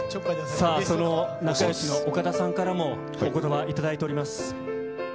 さあ、その仲よしの岡田さんからもおことば頂いております。